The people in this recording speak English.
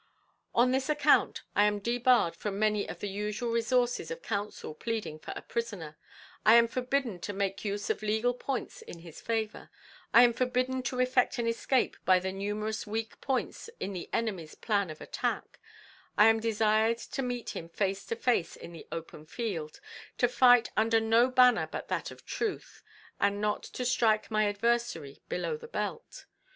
"On this account I am debarred from many of the usual resources of counsel pleading for a prisoner; I am forbidden to make use of legal points in his favour; I am forbidden to effect an escape by the numerous weak points in the enemy's plan of attack; I am desired to meet him face to face in the open field to fight under no banner but that of truth, and not to strike my adversary below the belt.